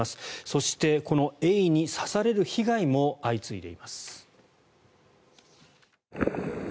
そして、このエイに刺される被害も相次いでいます。